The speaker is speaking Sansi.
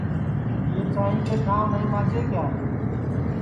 یہ چاںٚئی کے ٹھاںٚو نائی ماجے کیا